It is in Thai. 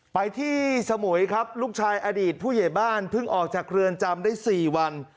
ไปที่สมุยครับลูกชายอดีตผู้ใหญ่บ้านเพิ่งออกจากเรือนจำได้๔วัน